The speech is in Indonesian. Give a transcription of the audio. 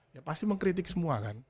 ya pasti mengkritik semua kan